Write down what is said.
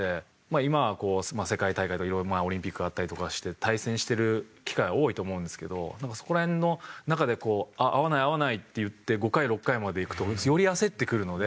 今は世界大会とか色々オリンピックがあったりとかして対戦してる機会は多いと思うんですけどそこら辺の中でこう合わない合わないっていって５回６回までいくとより焦ってくるので。